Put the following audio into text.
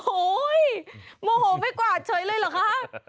โอ้โหโมโหไม่กวาดเฉยเลยเหรอคะ